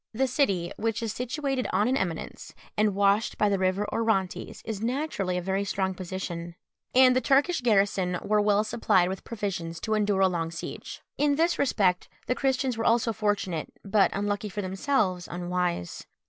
The city, which is situated on an eminence, and washed by the river Orontes, is naturally a very strong position, and the Turkish garrison were well supplied with provisions to endure a long siege. In this respect the Christians were also fortunate, but unluckily for themselves, unwise.